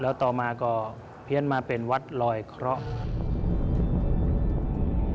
แล้วต่อมาก็เพี้ยนมาเป็นวัดลอยเคราะห์